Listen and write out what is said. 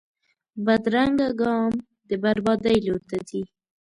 بدرنګه ګام د بربادۍ لور ته ځي